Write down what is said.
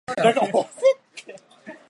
きらびやかでいて重厚な宮殿を前に言葉も出ない